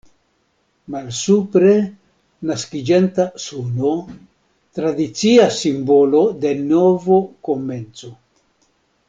Malsupre, naskiĝanta suno, tradicia simbolo de novo komenco.